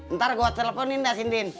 ntar gue teleponin dah sindin